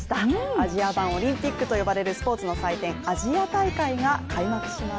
アジア版オリンピックと呼ばれるスポーツの祭典アジア大会が開幕します。